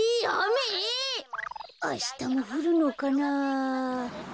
あしたもふるのかな。